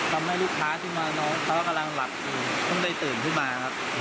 ทำให้ลูกค้าขึ้นมาแต่ว่ากำลังหลับต้องได้ตื่นขึ้นมาครับ